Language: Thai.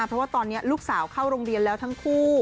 เพราะว่าตอนนี้ลูกสาวเข้าโรงเรียนแล้วทั้งคู่